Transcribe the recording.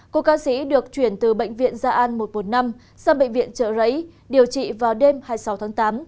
cô ca sĩ được chuyển từ bệnh viện gia an một trăm một mươi năm sang bệnh viện trợ rẫy điều trị vào đêm hai mươi sáu tháng tám